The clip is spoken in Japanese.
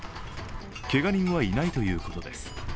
けが人はいないということです。